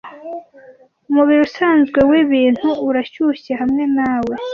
Umubiri usanzwe wibintu urashyushye hamwe nawe,